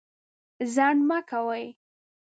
ځنډ مه کوئ.